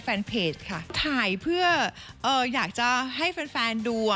แฟนเพจค่ะถ่ายเพื่ออยากจะให้แฟนแฟนดูอ่ะ